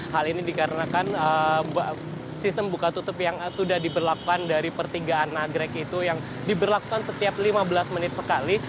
hal ini dikarenakan sistem buka tutup yang sudah diberlakukan dari pertigaan nagrek itu yang diberlakukan setiap lima belas menit sekali